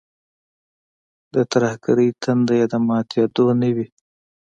د ترهګرۍ تنده یې د ماتېدو نه وي.